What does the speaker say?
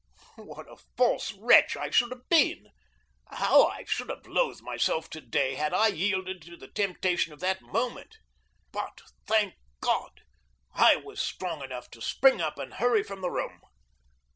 What a false wretch I should have been! How I should have loathed myself to day had I yielded to the temptation of that moment! But, thank God, I was strong enough to spring up and hurry from the room.